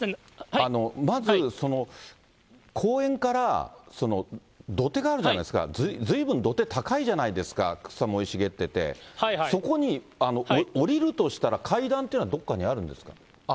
まずね、公園から土手があるじゃないですか、ずいぶん土手高いじゃないですか、草も生い茂ってて、そこに下りるとしたら、階段というのはどっかにあるんですか。